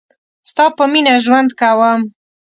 ستا په میینه ژوند کوم